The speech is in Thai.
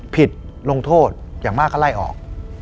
ผิดลงโทษอย่างมากก็ไล่ออก